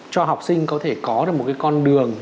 cho học sinh có thể có được một cái con đường